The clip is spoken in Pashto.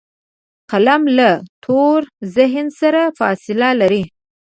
قلم له تور ذهن سره فاصله لري